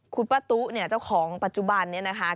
คุณป้าตุ๊เนี่ยเจ้าของปัจจุบันนี้นะคะ